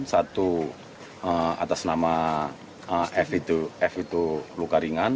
satu atas nama f itu luka ringan